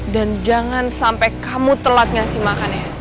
dan jangan sampai kamu telat ngasih makan ya